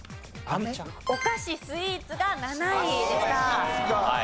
お菓子スイーツが７位でした。